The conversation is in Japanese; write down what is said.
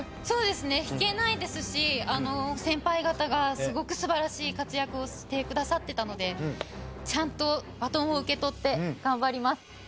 そうですね引けないですし先輩方がすごく素晴らしい活躍をしてくださってたのでちゃんとバトンを受け取って頑張ります。